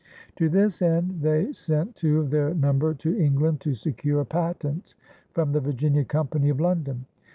To this end they sent two of their number to England to secure a patent from the Virginia Company of London.